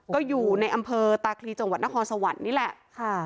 ก็อยู่ในอำเภอตาคลีจังหวัดนครสวรรค์นี่แหละค่ะ